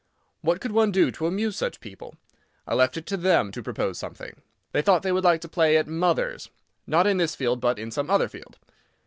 What could one do to amuse such people? I left it to them to propose something. They thought they would like to play at "Mothers"—not in this field, but in some other field.